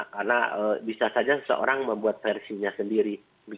karena bisa saja seseorang membuat versinya sendiri